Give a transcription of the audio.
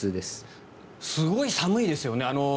すごい寒いですよね。